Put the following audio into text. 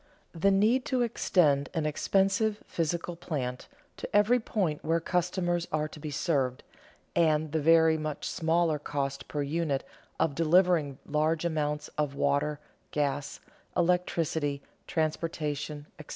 The need to extend an expensive physical plant to every point where customers are to be served, and the very much smaller cost per unit of delivering large amounts of water, gas, electricity, transportation, etc.